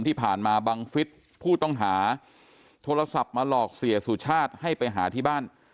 ที่ผ่านมาบังฟิศผู้ต้องหาโทรศัพท์มาหลอกเสียสุชาติให้ไปหาที่บ้าน